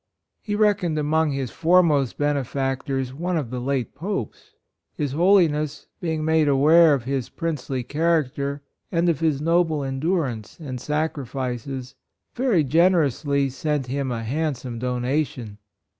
He reckoned among his foremost benefactors one of the late Popes. His Holiness, being made aware of his Princely character, and of his VIRTUES. 101 noble endurance and sacrifices, very generously sent him a handsome donation.